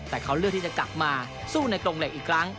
แต่เขาเลือกที่จะกลับมาสู้ในกรงเหล็กอีกครั้ง